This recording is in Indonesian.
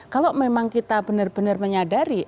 kalau memang kita benar benar menyadari